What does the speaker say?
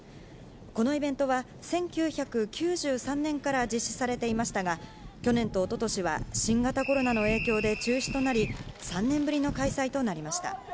このイベントは、１９９３年から実施されていましたが、去年とおととしは、新型コロナの影響で中止となり、３年ぶりの開催となりました。